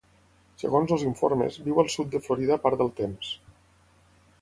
Segons els informes, viu al sud de Florida part del temps.